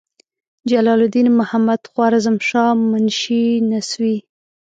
جلال الدین محمدخوارزمشاه منشي نسوي.